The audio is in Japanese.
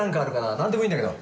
なんでもいいんだけど。